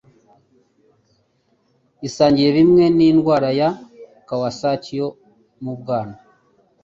isangiye bimwe n'indwara ya Kawasaki yo mu bwana